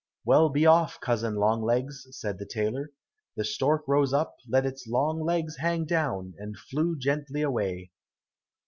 "Well, be off, Cousin Longlegs," said the tailor. The stork rose up, let its long legs hang down, and flew gently away.